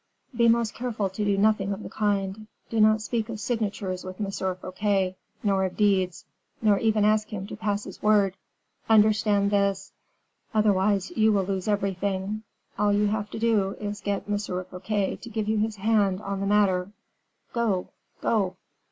"Be most careful to do nothing of the kind; do not speak of signatures with M. Fouquet, nor of deeds, nor even ask him to pass his word. Understand this: otherwise you will lose everything. All you have to do is to get M. Fouquet to give you his hand on the matter. Go, go."